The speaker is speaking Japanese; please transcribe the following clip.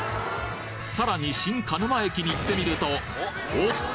さらに新鹿沼駅に行ってみるとおっと！